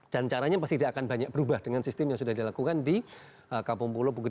dan caranya pasti dia akan banyak berubah dengan sistem yang sudah dilakukan di kampung pulau